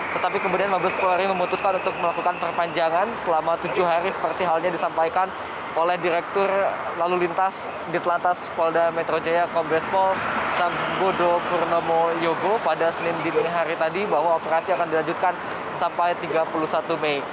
tetapi kemudian mabes polri memutuskan untuk melakukan perpanjangan selama tujuh hari seperti halnya disampaikan oleh direktur lalu lintas di telantas polda metro jaya kombespol sambodo purnomo yogo pada senin dini hari tadi bahwa operasi akan dilanjutkan sampai tiga puluh satu mei